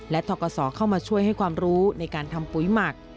และทกศเข้ามาช่วยให้ความรู้ในการทำปุ๋ยหมัก